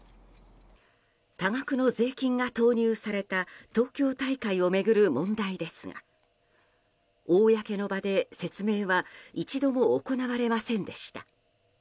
多額の税金が投入された東京大会を巡る問題ですが公の場で説明は一度も行われませんでした。